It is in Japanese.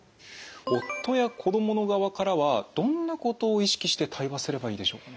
夫や子供の側からはどんなことを意識して対話すればいいでしょうかね？